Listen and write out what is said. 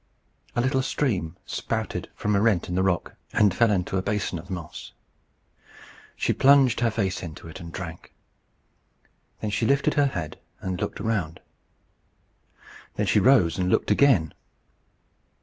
A little stream spouted from a rent in the rock and fell into a basin of moss. She plunged her face into it and drank. Then she lifted her head and looked around. Then she rose and looked again.